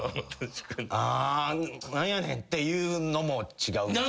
あ何やねんっていうのも違うし。